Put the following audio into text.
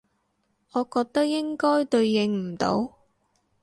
我覺得應該對應唔到